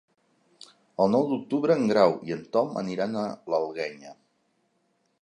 El nou d'octubre en Grau i en Tom aniran a l'Alguenya.